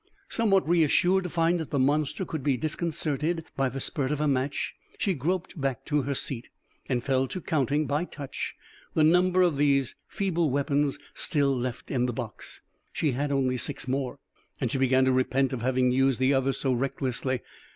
Somewhat reassured to find that the monster could be disconcerted by the spurt of a match, she groped back to her seat, and fell to counting, by touch, the number of these feeble weapons still left in the box. She had only six more, and she began to repent of having used the others so recklessly.